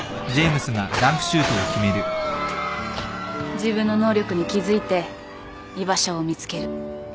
自分の能力に気付いて居場所を見つける。